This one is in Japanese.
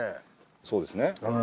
そうですね。